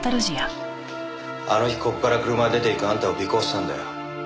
あの日ここから車で出ていくあんたを尾行したんだよ。